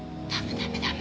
駄目駄目